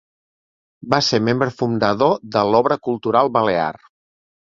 Va ser membre fundador de l'Obra Cultural Balear.